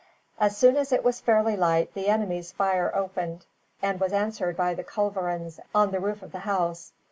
As soon as it was fairly light the enemies' fire opened, and was answered by the culverins on the roof of the house.